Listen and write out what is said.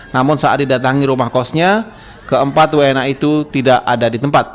namun saat didatangi rumah kosnya keempat wna itu tidak ada di tempat